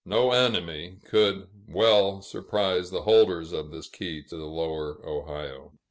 No enemy could well surprise the holders of this key to the Lower Ohio.